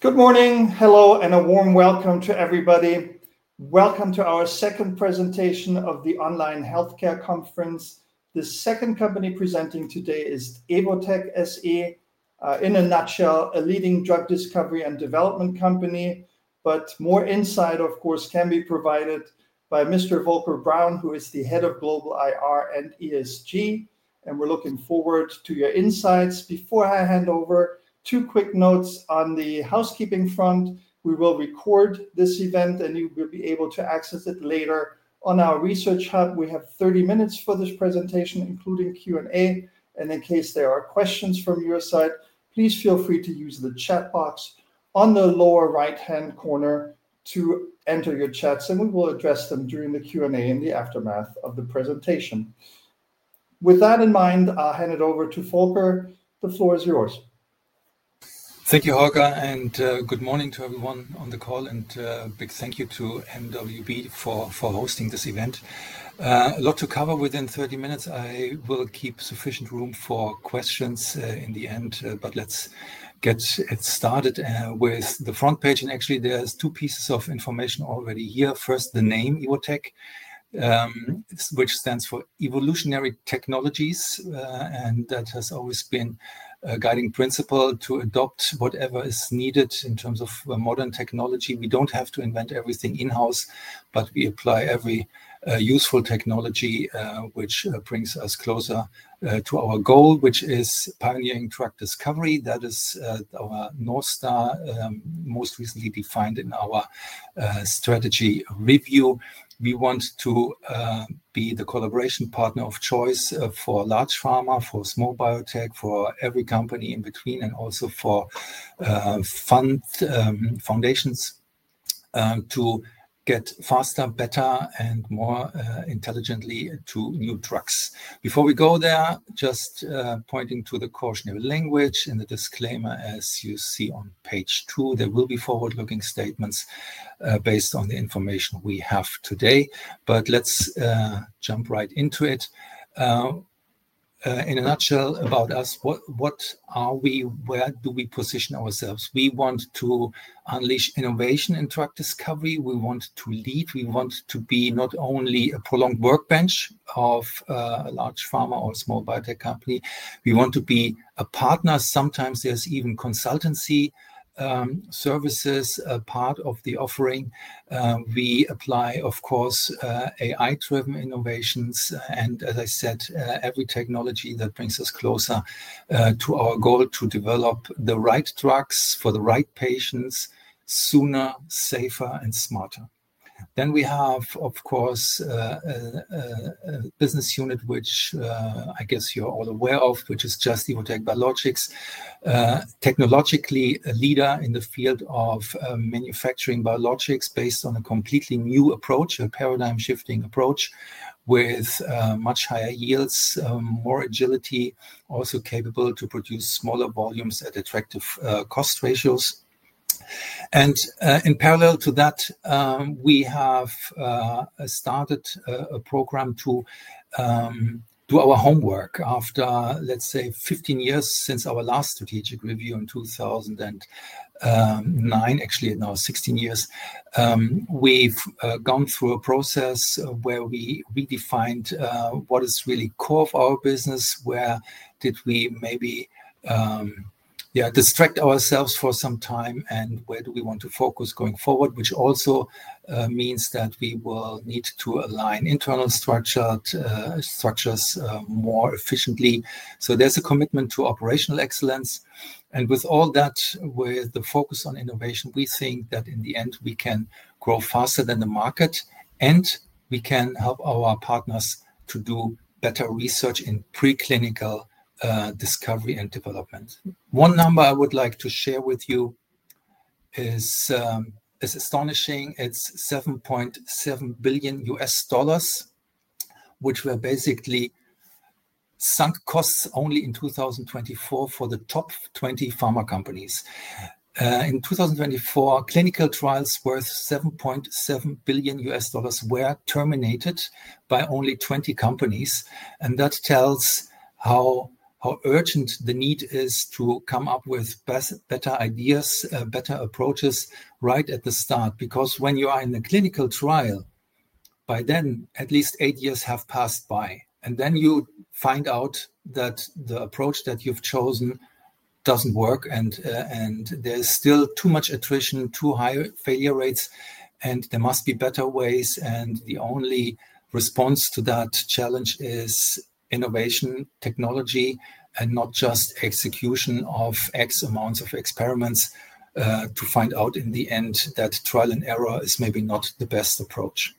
Good morning, hello, and a warm welcome to everybody. Welcome to our second presentation of the Online Healthcare Conference. The second company presenting today is Evotec SE, in a nutshell, a leading drug discovery and development company. More insight, of course, can be provided by Mr. Volker Braun, who is the Head of Global IR and ESG. We are looking forward to your insights. Before I hand over, two quick notes on the housekeeping front. We will record this event, and you will be able to access it later on our research hub. We have 30 minutes for this presentation, including Q&A. In case there are questions from your side, please feel free to use the chat box on the lower right-hand corner to enter your chats. We will address them during the Q&A in the aftermath of the presentation. With that in mind, I'll hand it over to Volker. The floor is yours. Thank you, Holger, and good morning to everyone on the call. A big thank you to MWB for hosting this event. A lot to cover within 30 minutes. I will keep sufficient room for questions in the end. Let's get started with the front page. Actually, there are two pieces of information already here. First, the name Evotec, which stands for Evolutionary Technologies. That has always been a guiding principle to adopt whatever is needed in terms of modern technology. We do not have to invent everything in-house, but we apply every useful technology, which brings us closer to our goal, which is pioneering drug discovery. That is our North Star, most recently defined in our strategy review. We want to be the collaboration partner of choice for large pharma, for small biotech, for every company in between, and also for fund foundations to get faster, better, and more intelligently to new drugs. Before we go there, just pointing to the cautionary language in the disclaimer, as you see on page two, there will be forward-looking statements based on the information we have today. Let's jump right into it. In a nutshell about us, what are we? Where do we position ourselves? We want to unleash innovation in drug discovery. We want to lead. We want to be not only a prolonged workbench of a large pharma or small biotech company. We want to be a partner. Sometimes there's even consultancy services as part of the offering. We apply, of course, AI-driven innovations. As I said, every technology that brings us closer to our goal to develop the right drugs for the right patients sooner, safer, and smarter. We have, of course, a business unit, which I guess you're all aware of, which is just Evotec Biologics. Technologically, a leader in the field of manufacturing biologics based on a completely new approach, a paradigm-shifting approach with much higher yields, more agility, also capable to produce smaller volumes at attractive cost ratios. In parallel to that, we have started a program to do our homework after, let's say, 15 years since our last strategic review in 2009. Actually, now 16 years. We've gone through a process where we redefined what is really core of our business, where did we maybe distract ourselves for some time, and where do we want to focus going forward, which also means that we will need to align internal structures more efficiently. There is a commitment to operational excellence. With all that, with the focus on innovation, we think that in the end, we can grow faster than the market, and we can help our partners to do better research in preclinical discovery and development. One number I would like to share with you is astonishing. It is $7.7 billion, which were basically sunk costs only in 2024 for the top 20 pharma companies. In 2024, clinical trials worth $7.7 billion were terminated by only 20 companies. That tells how urgent the need is to come up with better ideas, better approaches right at the start. Because when you are in a clinical trial, by then, at least eight years have passed by. Then you find out that the approach that you've chosen doesn't work, and there's still too much attrition, too high failure rates, and there must be better ways. The only response to that challenge is innovation, technology, and not just execution of X amounts of experiments to find out in the end that trial and error is maybe not the best approach.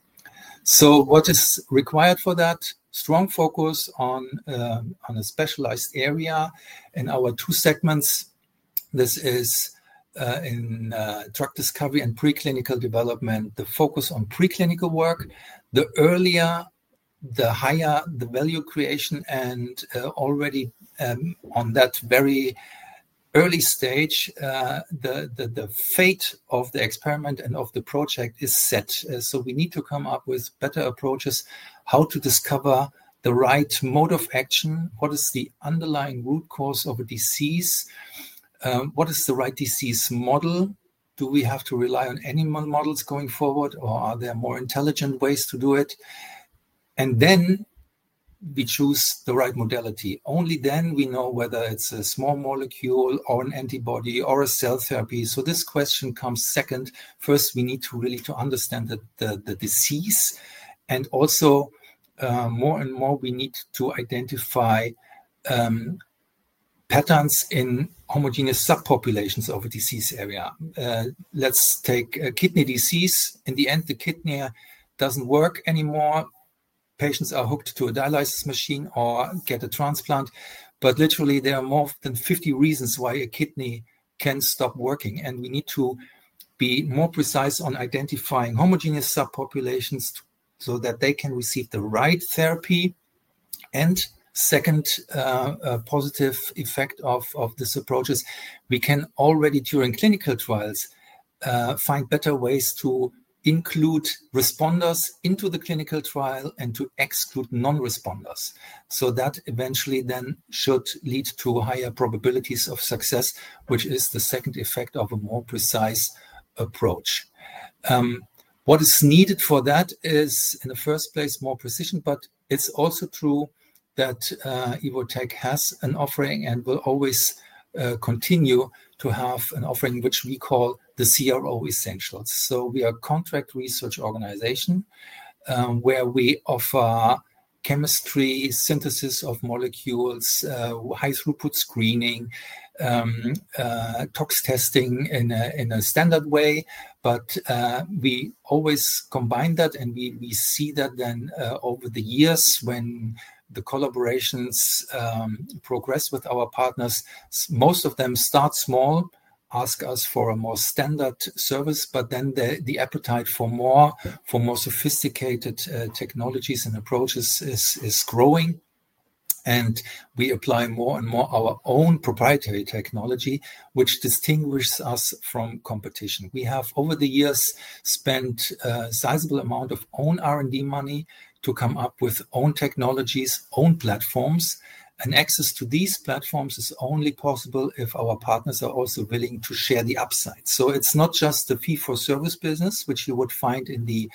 What is required for that? Strong focus on a specialized area in our two segments. This is in drug discovery and preclinical development, the focus on preclinical work. The earlier, the higher the value creation. Already on that very early stage, the fate of the experiment and of the project is set. We need to come up with better approaches, how to discover the right mode of action, what is the underlying root cause of a disease, what is the right disease model, do we have to rely on any models going forward, or are there more intelligent ways to do it? Then we choose the right modality. Only then we know whether it's a small molecule or an antibody or a cell therapy. This question comes second. First, we need to really understand the disease. Also, more and more, we need to identify patterns in homogeneous subpopulations of a disease area. Let's take kidney disease. In the end, the kidney doesn't work anymore. Patients are hooked to a dialysis machine or get a transplant. Literally, there are more than 50 reasons why a kidney can stop working. We need to be more precise on identifying homogeneous subpopulations so that they can receive the right therapy. A positive effect of these approaches is that we can already during clinical trials find better ways to include responders into the clinical trial and to exclude non-responders. That eventually then should lead to higher probabilities of success, which is the second effect of a more precise approach. What is needed for that is, in the first place, more precision. It is also true that Evotec has an offering and will always continue to have an offering, which we call the CRO Essentials. We are a contract research organization where we offer chemistry, synthesis of molecules, high-throughput screening, tox testing in a standard way. We always combine that, and we see that then over the years when the collaborations progress with our partners. Most of them start small, ask us for a more standard service, but then the appetite for more sophisticated technologies and approaches is growing. We apply more and more our own proprietary technology, which distinguishes us from competition. We have, over the years, spent a sizable amount of own R&D money to come up with own technologies, own platforms. Access to these platforms is only possible if our partners are also willing to share the upside. It is not just the fee-for-service business, which you would find in the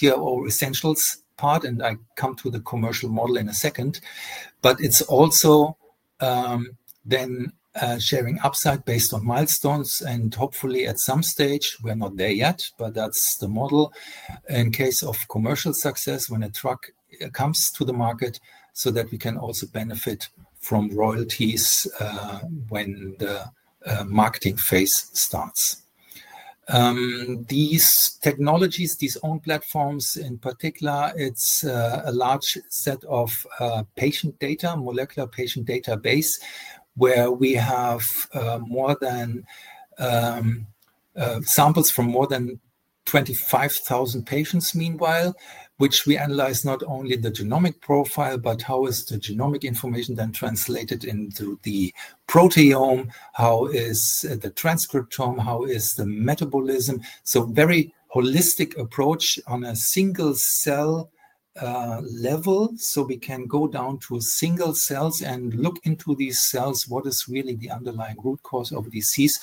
CRO Essentials part. I come to the commercial model in a second. It is also then sharing upside based on milestones. Hopefully, at some stage, we are not there yet, but that is the model. In case of commercial success, when a drug comes to the market, so that we can also benefit from royalties when the marketing phase starts. These technologies, these own platforms in particular, it's a large set of patient data, molecular patient database, where we have samples from more than 25,000 patients meanwhile, which we analyze not only the genomic profile, but how is the genomic information then translated into the proteome, how is the transcriptome, how is the metabolism. A very holistic approach on a single cell level. We can go down to single cells and look into these cells, what is really the underlying root cause of disease.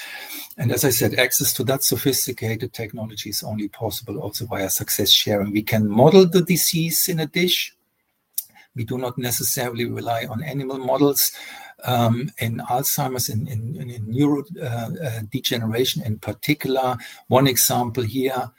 As I said, access to that sophisticated technology is only possible also via success sharing. We can model the disease in a dish. We do not necessarily rely on animal models in Alzheimer's and in neurodegeneration in particular. One example here,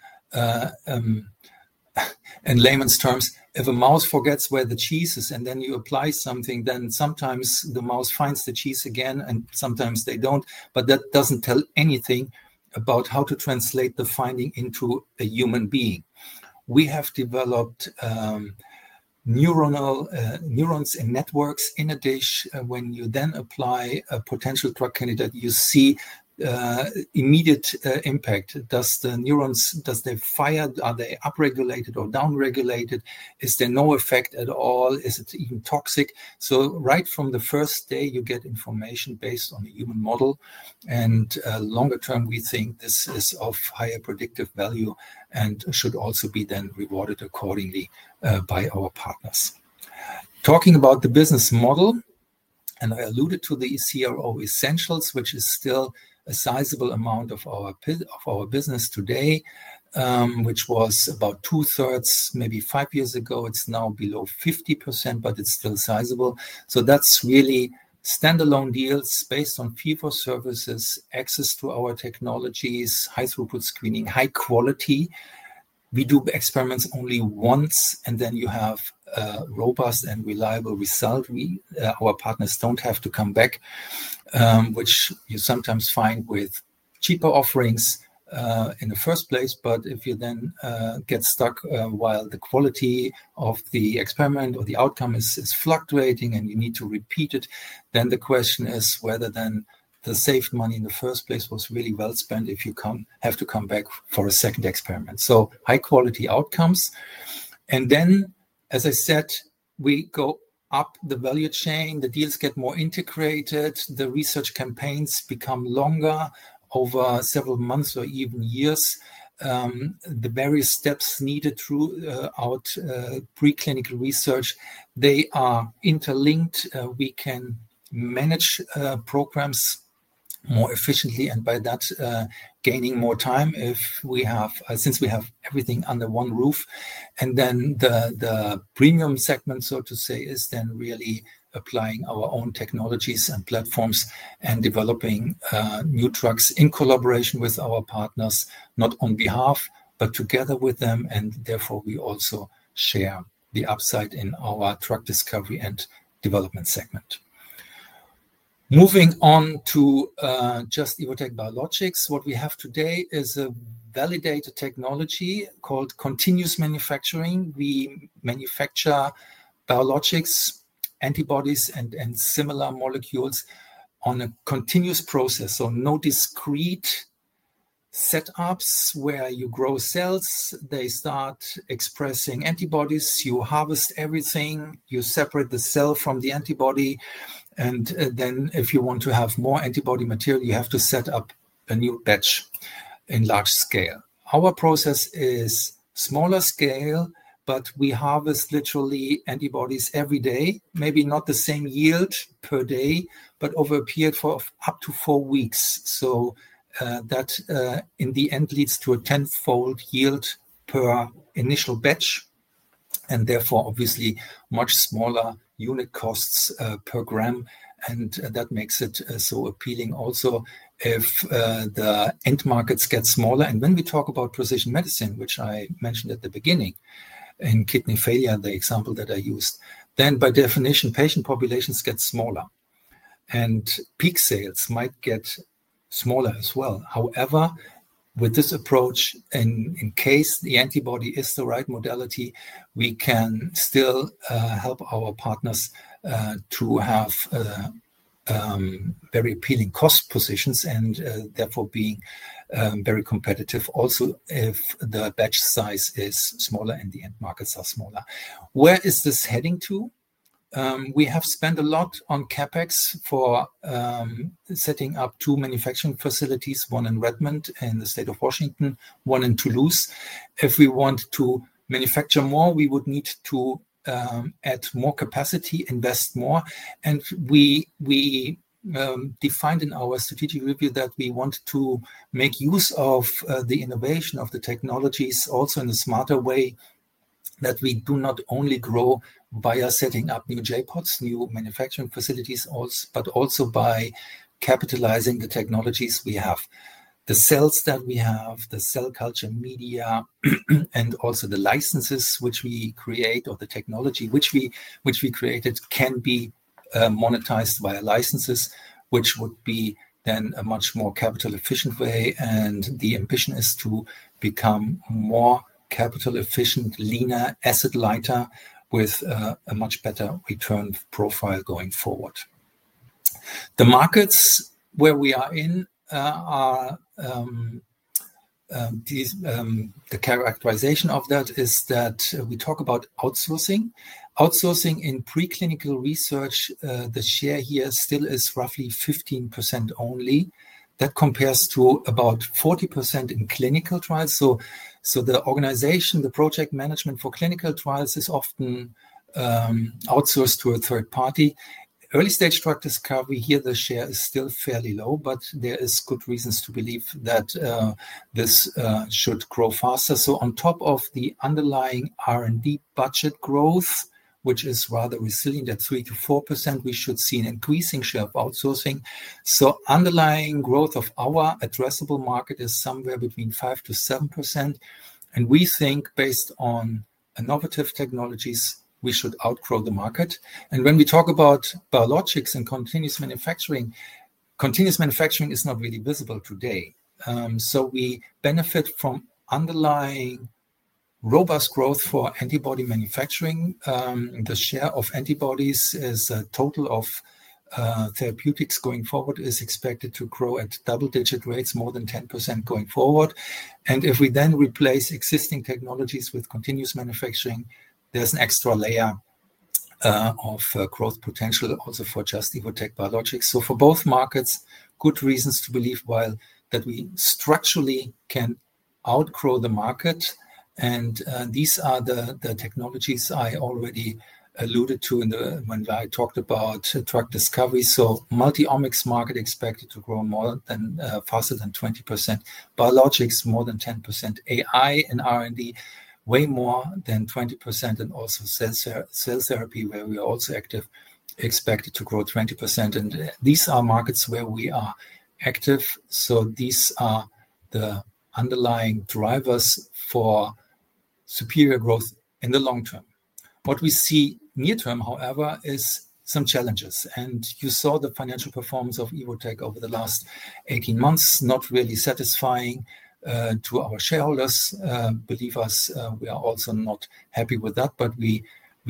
in layman's terms, if a mouse forgets where the cheese is and then you apply something, then sometimes the mouse finds the cheese again and sometimes they don't. That doesn't tell anything about how to translate the finding into a human being. We have developed neurons and networks in a dish. When you then apply a potential drug candidate, you see immediate impact. Do the neurons, do they fire, are they upregulated or downregulated? Is there no effect at all? Is it even toxic? Right from the first day, you get information based on a human model. Longer term, we think this is of higher predictive value and should also be then rewarded accordingly by our partners. Talking about the business model, and I alluded to the CRO Essentials, which is still a sizable amount of our business today, which was about two-thirds, maybe five years ago. It's now below 50%, but it's still sizable. That's really standalone deals based on fee-for-services, access to our technologies, high-throughput screening, high quality. We do experiments only once, and then you have a robust and reliable result. Our partners don't have to come back, which you sometimes find with cheaper offerings in the first place. If you then get stuck while the quality of the experiment or the outcome is fluctuating and you need to repeat it, the question is whether then the saved money in the first place was really well spent if you have to come back for a second experiment. High-quality outcomes. As I said, we go up the value chain, the deals get more integrated, the research campaigns become longer over several months or even years. The various steps needed throughout preclinical research are interlinked. We can manage programs more efficiently and by that gaining more time since we have everything under one roof. The premium segment, so to say, is then really applying our own technologies and platforms and developing new drugs in collaboration with our partners, not on behalf, but together with them. Therefore, we also share the upside in our drug discovery and development segment. Moving on to just Evotec Biologics, what we have today is a validated technology called continuous manufacturing. We manufacture biologics, antibodies, and similar molecules on a continuous process. No discrete setups where you grow cells. They start expressing antibodies. You harvest everything. You separate the cell from the antibody. If you want to have more antibody material, you have to set up a new batch in large scale. Our process is smaller scale, but we harvest literally antibodies every day. Maybe not the same yield per day, but over a period of up to four weeks. That in the end leads to a tenfold yield per initial batch. Therefore, obviously, much smaller unit costs per gram. That makes it so appealing also if the end markets get smaller. When we talk about precision medicine, which I mentioned at the beginning in kidney failure, the example that I used, by definition, patient populations get smaller. Peak sales might get smaller as well. However, with this approach, in case the antibody is the right modality, we can still help our partners to have very appealing cost positions and therefore being very competitive also if the batch size is smaller and the end markets are smaller. Where is this heading to? We have spent a lot on CapEx for setting up two manufacturing facilities, one in Redmond in the state of Washington, one in Toulouse. If we want to manufacture more, we would need to add more capacity, invest more. We defined in our strategic review that we want to make use of the innovation of the technologies also in a smarter way, that we do not only grow via setting up new JPODs, new manufacturing facilities, but also by capitalizing the technologies we have. The cells that we have, the cell culture media, and also the licenses which we create or the technology which we created can be monetized via licenses, which would be then a much more capital-efficient way. The ambition is to become more capital-efficient, leaner, asset-lighter with a much better return profile going forward. The markets where we are in, the characterization of that is that we talk about outsourcing. Outsourcing in preclinical research, the share here still is roughly 15% only. That compares to about 40% in clinical trials. The organization, the project management for clinical trials is often outsourced to a third party. Early-stage drug discovery, here the share is still fairly low, but there are good reasons to believe that this should grow faster. On top of the underlying R&D budget growth, which is rather resilient, at 3-4%, we should see an increasing share of outsourcing. Underlying growth of our addressable market is somewhere between 5-7%. We think, based on innovative technologies, we should outgrow the market. When we talk about biologics and continuous manufacturing, continuous manufacturing is not really visible today. We benefit from underlying robust growth for antibody manufacturing. The share of antibodies as a total of therapeutics going forward is expected to grow at double-digit rates, more than 10% going forward. If we then replace existing technologies with continuous manufacturing, there is an extra layer of growth potential also for just Evotec Biologics. For both markets, there are good reasons to believe that we structurally can outgrow the market. These are the technologies I already alluded to when I talked about drug discovery. Multi-omics market expected to grow faster than 20%. Biologics, more than 10%. AI and R&D, way more than 20%. Also cell therapy, where we are also active, expected to grow 20%. These are markets where we are active. These are the underlying drivers for superior growth in the long term. What we see near term, however, is some challenges. You saw the financial performance of Evotec over the last 18 months, not really satisfying to our shareholders. Believe us, we are also not happy with that, but we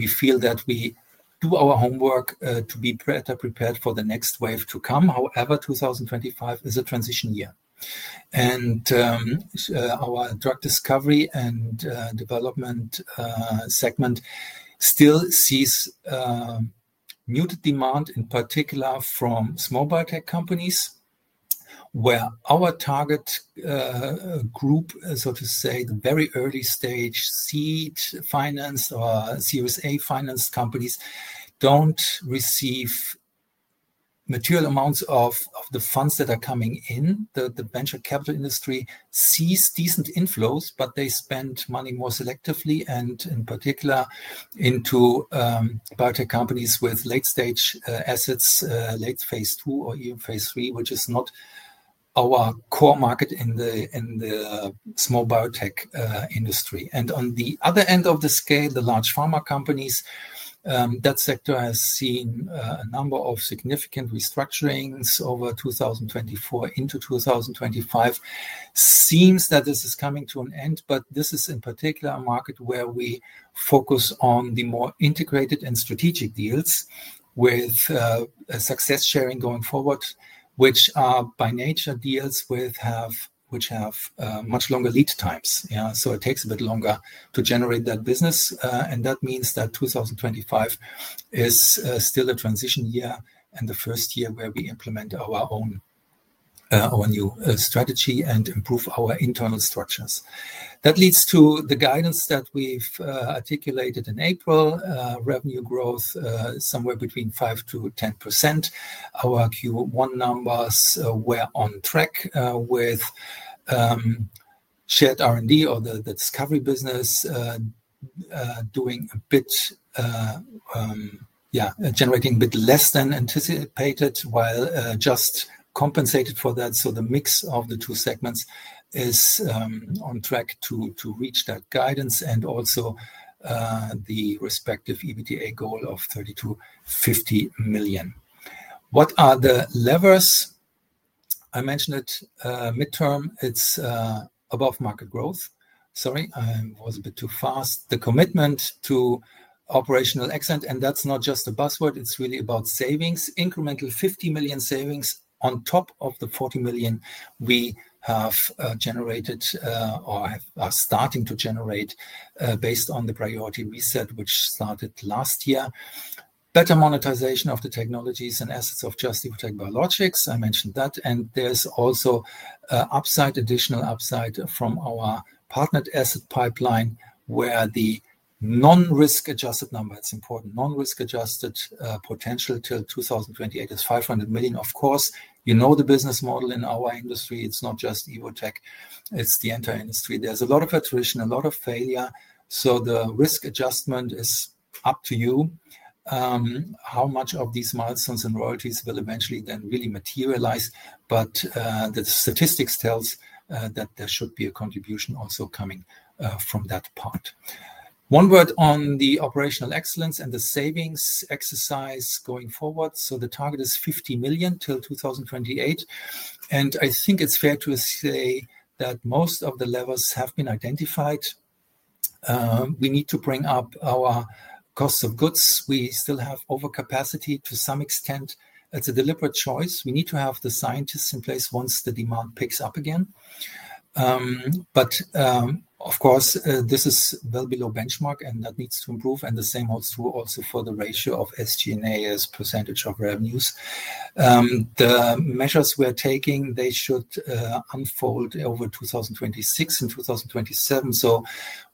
feel that we do our homework to be better prepared for the next wave to come. However, 2025 is a transition year. Our drug discovery and development segment still sees muted demand, in particular from small biotech companies, where our target group, so to say, the very early stage seed financed or Series A financed companies do not receive material amounts of the funds that are coming in. The venture capital industry sees decent inflows, but they spend money more selectively and in particular into biotech companies with late-stage assets, late phase two or even phase three, which is not our core market in the small biotech industry. On the other end of the scale, the large pharma companies, that sector has seen a number of significant restructurings over 2024 into 2025. Seems that this is coming to an end, but this is in particular a market where we focus on the more integrated and strategic deals with success sharing going forward, which are by nature deals which have much longer lead times. It takes a bit longer to generate that business. That means that 2025 is still a transition year and the first year where we implement our new strategy and improve our internal structures. That leads to the guidance that we've articulated in April, revenue growth somewhere between 5-10%. Our Q1 numbers were on track with shared R&D or the discovery business doing a bit, yeah, generating a bit less than anticipated, while just compensated for that. The mix of the two segments is on track to reach that guidance and also the respective EBITDA goal of $32.50 million. What are the levers? I mentioned it midterm. It is above market growth. Sorry, I was a bit too fast. The commitment to operational excellence, and that is not just a buzzword. It is really about savings, incremental $50 million savings on top of the $40 million we have generated or are starting to generate based on the priority reset, which started last year. Better monetization of the technologies and assets of just Evotec Biologics. I mentioned that. There is also upside, additional upside from our partnered asset pipeline, where the non-risk adjusted number, it is important, non-risk adjusted potential till 2028 is $500 million. Of course, you know the business model in our industry. It is not just Evotec. It is the entire industry. There is a lot of attrition, a lot of failure. The risk adjustment is up to you how much of these milestones and royalties will eventually then really materialize. The statistics tell that there should be a contribution also coming from that part. One word on the operational excellence and the savings exercise going forward. The target is $50 million till 2028. I think it is fair to say that most of the levers have been identified. We need to bring up our cost of goods. We still have overcapacity to some extent. It is a deliberate choice. We need to have the scientists in place once the demand picks up again. Of course, this is well below benchmark, and that needs to improve. The same holds true also for the ratio of SG&A as % of revenues. The measures we are taking should unfold over 2026 and 2027.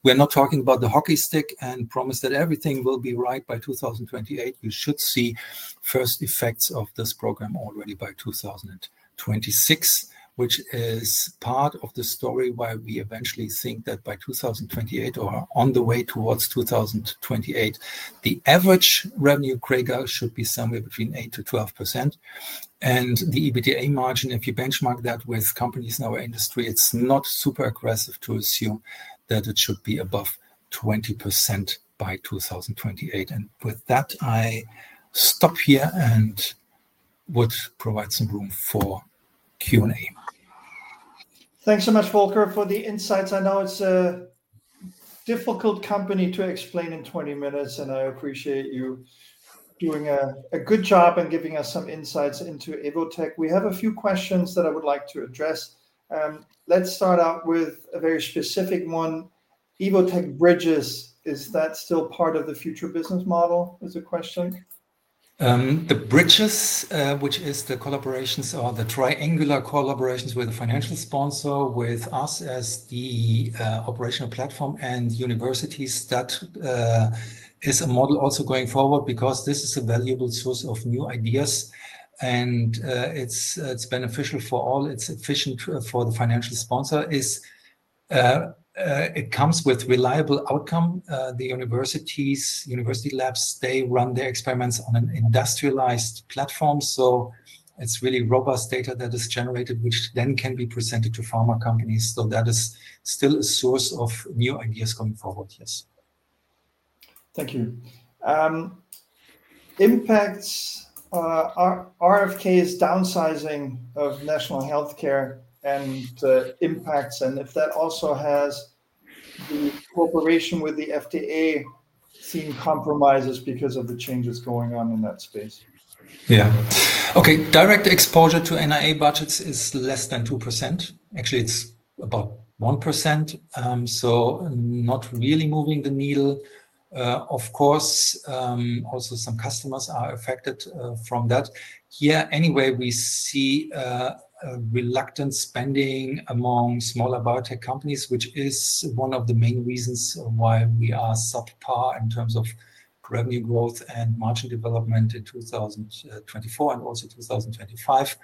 We are not talking about the hockey stick and promise that everything will be right by 2028. You should see first effects of this program already by 2026, which is part of the story why we eventually think that by 2028 or on the way towards 2028, the average revenue cradle should be somewhere between 8-12%. The EBITDA margin, if you benchmark that with companies in our industry, it's not super aggressive to assume that it should be above 20% by 2028. With that, I stop here and would provide some room for Q&A. Thanks so much, Volker, for the insights. I know it's a difficult company to explain in 20 minutes, and I appreciate you doing a good job and giving us some insights into Evotec. We have a few questions that I would like to address. Let's start out with a very specific one. Evotec BRIDGEs, is that still part of the future business model? Is the question. The BRIDGEs, which is the collaborations or the triangular collaborations with a financial sponsor, with us as the operational platform and universities, that is a model also going forward because this is a valuable source of new ideas. It is beneficial for all. It is efficient for the financial sponsor. It comes with reliable outcome. The universities, university labs, they run their experiments on an industrialized platform. It is really robust data that is generated, which then can be presented to pharma companies. That is still a source of new ideas going forward, yes. Thank you. Impacts, RFK's downsizing of national healthcare and the impacts, and if that also has the cooperation with the FDA seen compromises because of the changes going on in that space? Yeah. Okay. Direct exposure to NIA budgets is less than 2%. Actually, it is about 1%. Not really moving the needle. Of course, also some customers are affected from that. Here anyway, we see a reluctance spending among smaller biotech companies, which is one of the main reasons why we are subpar in terms of revenue growth and margin development in 2024 and also 2025.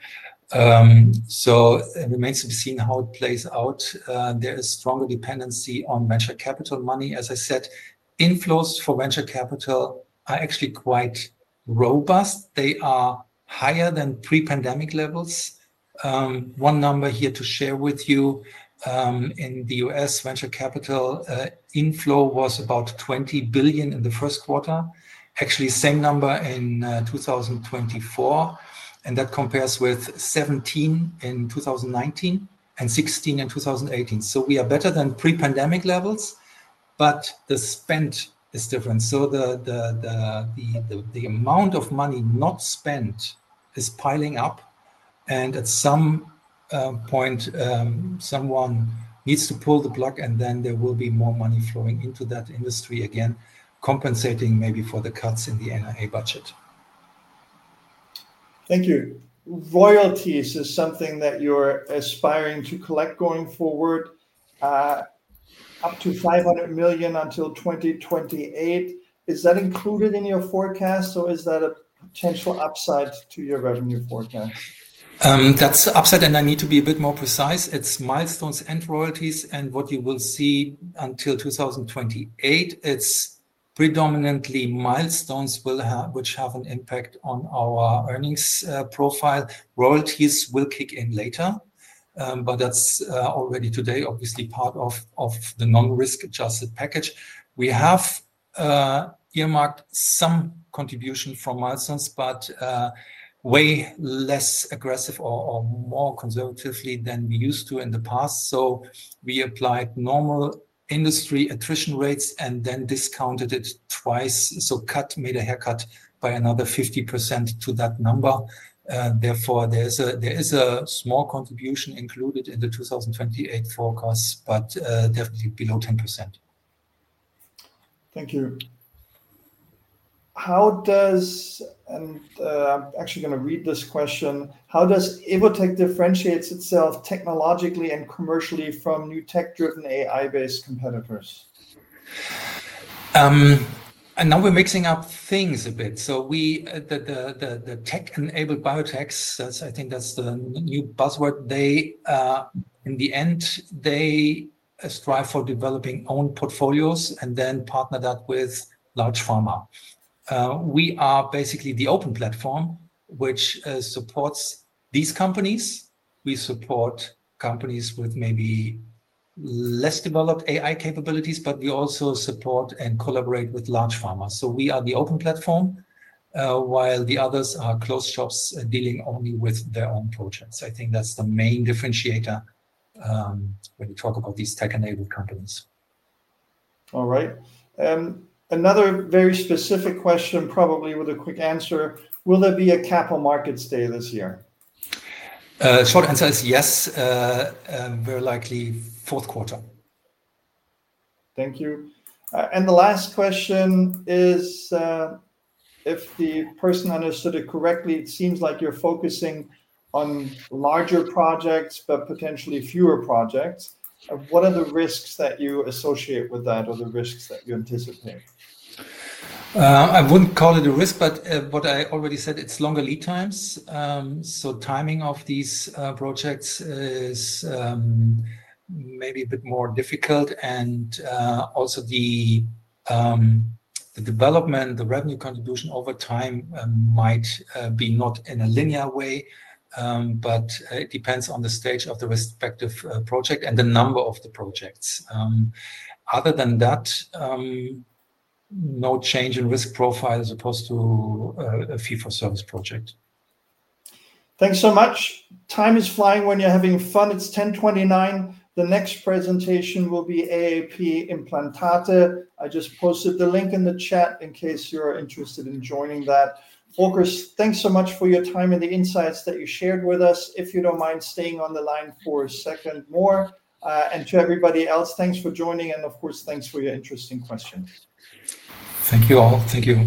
It remains to be seen how it plays out. There is stronger dependency on venture capital money. As I said, inflows for venture capital are actually quite robust. They are higher than pre-pandemic levels. One number here to share with you. In the U.S., venture capital inflow was about $20 billion in the first quarter, actually same number in 2024. That compares with $17 billion in 2019 and $16 billion in 2018. We are better than pre-pandemic levels, but the spend is different. The amount of money not spent is piling up. At some point, someone needs to pull the plug, and then there will be more money flowing into that industry again, compensating maybe for the cuts in the NIA budget. Thank you. Royalty is something that you're aspiring to collect going forward, up to $500 million until 2028. Is that included in your forecast, or is that a potential upside to your revenue forecast? That's upside, and I need to be a bit more precise. It's milestones and royalties, and what you will see until 2028, it's predominantly milestones which have an impact on our earnings profile. Royalties will kick in later, but that's already today, obviously part of the non-risk adjusted package. We have earmarked some contribution from milestones, but way less aggressive or more conservatively than we used to in the past. We applied normal industry attrition rates and then discounted it twice. Cut, made a haircut by another 50% to that number. Therefore, there is a small contribution included in the 2028 forecast, but definitely below 10%. Thank you. How does, and I'm actually going to read this question, how does Evotec differentiate itself technologically and commercially from new tech-driven AI-based competitors? Now we're mixing up things a bit. The tech-enabled biotechs, I think that's the new buzzword. In the end, they strive for developing own portfolios and then partner that with large pharma. We are basically the open platform, which supports these companies. We support companies with maybe less developed AI capabilities, but we also support and collaborate with large pharma. We are the open platform, while the others are closed shops dealing only with their own projects. I think that's the main differentiator when you talk about these tech-enabled companies. All right. Another very specific question, probably with a quick answer. Will there be a capital markets day this year? Short answer is yes, very likely fourth quarter. Thank you. The last question is, if the person understood it correctly, it seems like you're focusing on larger projects, but potentially fewer projects. What are the risks that you associate with that or the risks that you anticipate? I wouldn't call it a risk, but what I already said, it's longer lead times. Timing of these projects is maybe a bit more difficult. Also the development, the revenue contribution over time might be not in a linear way, but it depends on the stage of the respective project and the number of the projects. Other than that, no change in risk profile as opposed to a fee-for-service project. Thanks so much. Time is flying when you're having fun. It's 10:29. The next presentation will be aap Implantate. I just posted the link in the chat in case you're interested in joining that. Volker, thanks so much for your time and the insights that you shared with us. If you don't mind staying on the line for a second more. To everybody else, thanks for joining. Of course, thanks for your interesting questions. Thank you all. Thank you.